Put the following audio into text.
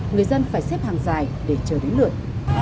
người dân phải xếp hàng dài để chờ đến lượt